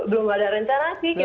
belum ada rencananya sih kita